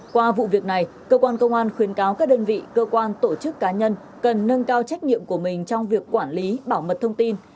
qua vụ việc này cơ quan công an khuyến cáo các đơn vị cơ quan tổ chức cá nhân cần nâng cao trách nhiệm của mình trong việc quản lý bảo mật thông tin